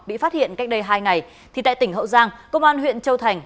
bị phát hiện cách đây hai ngày thì tại tỉnh hậu giang công an huyện châu thành